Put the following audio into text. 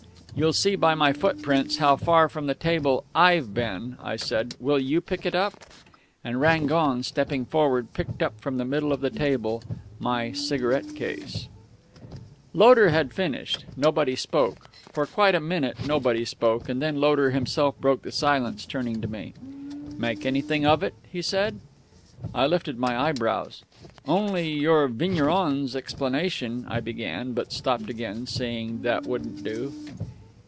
"'You'll see by my footprints how far from that table I've been,' I said. 'Will you pick it up?' "And Rangon, stepping forward, picked up from the middle of the table my cigarette case." Loder had finished. Nobody spoke. For quite a minute nobody spoke, and then Loder himself broke the silence, turning to me. "Make anything of it?" he said. I lifted my eyebrows. "Only your vigneron's explanation " I began, but stopped again, seeing that wouldn't do.